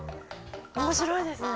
面白いですね。